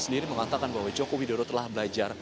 sendiri mengatakan bahwa joko widodo telah belajar